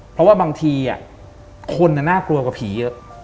เพราะว่าบางทีคนน่ากลัวกว่าผีเยอะ